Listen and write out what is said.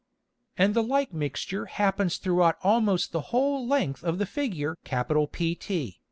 And the like Mixture happens throughout almost the whole length of the Figure PT.